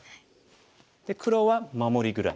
黒は守りぐらい。